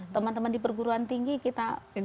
teman teman di perguruan tinggi kita